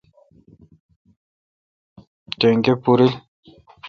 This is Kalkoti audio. ٹیکہ پورل ۔